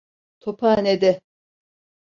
Tophane'de!